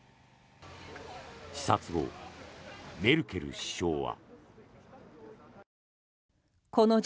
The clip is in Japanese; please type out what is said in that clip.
視察後、メルケル首相は。